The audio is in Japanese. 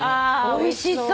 おいしそう。